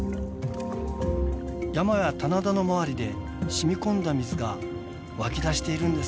山や棚田の周りでしみ込んだ水が湧き出しているんですね。